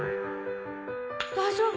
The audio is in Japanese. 大丈夫？